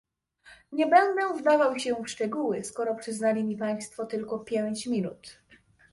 Nie będę wdawał się w szczegóły, skoro przyznali mi państwo jedynie pięć minut